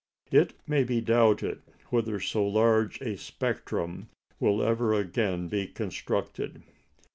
It may be doubted whether so large a spectrum will ever again be constructed.